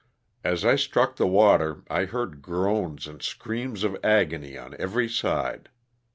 As I struck the water I heard groans and screams of agony on every side.